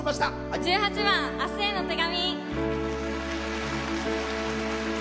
１８番「明日への手紙」。